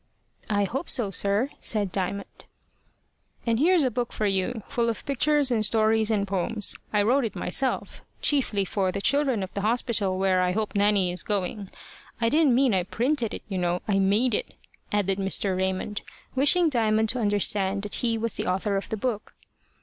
"I hope so, sir," said Diamond. "And here's a book for you, full of pictures and stories and poems. I wrote it myself, chiefly for the children of the hospital where I hope Nanny is going. I don't mean I printed it, you know. I made it," added Mr. Raymond, wishing Diamond to understand that he was the author of the book.